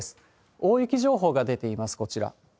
大雪情報が出ています、こちら。